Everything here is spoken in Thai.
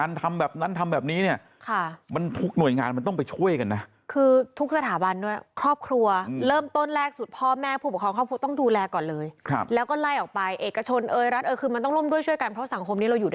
และมันมีความรุนแรง